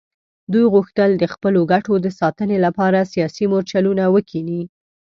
دوی غوښتل د خپلو ګټو د ساتنې لپاره سیاسي مورچلونه وکیني.